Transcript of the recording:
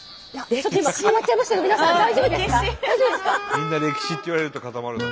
みんな歴史って言われると固まるなあ。